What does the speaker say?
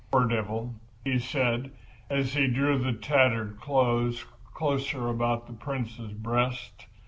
"Poor devil!" he said, as he drew the tattered clothes closer about the Prince's breast.